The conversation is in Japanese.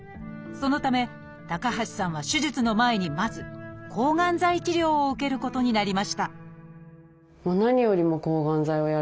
そのため高橋さんは手術の前にまず抗がん剤治療を受けることになりました